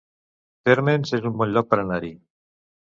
Térmens es un bon lloc per anar-hi